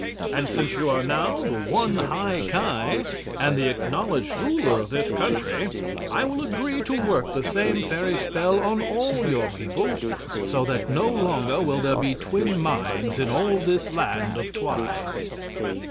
And since you are now the one High Ki, and the acknowledged ruler of this country, I will agree to work the same fairy spell on all your people, so that no longer will there be twin minds in all this Land of Twi."